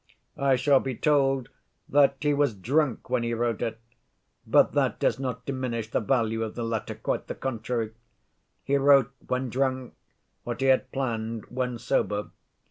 "I shall be told he was drunk when he wrote it. But that does not diminish the value of the letter, quite the contrary; he wrote when drunk what he had planned when sober.